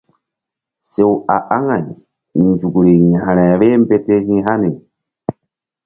Sew a aŋay nzukri yȩkre vbeh mbete hi̧ hani.